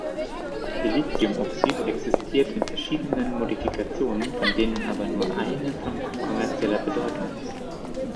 SiO existiert in verschiedenen Modifikationen, von denen aber nur eine von kommerzieller Bedeutung ist.